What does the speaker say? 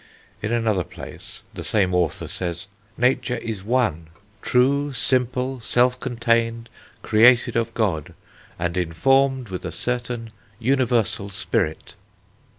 In another place the same author says: "Nature is one, true, simple, self contained, created of God, and informed with a certain universal spirit."